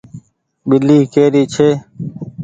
ٻلي ڪي ري ڇي۔